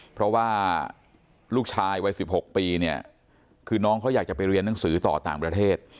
เพราะว่าลูกชายวัย๑๖ปีเนี่ยคือน้องเขาอยากจะไปเรียนหนังสือต่อต่างประเทศ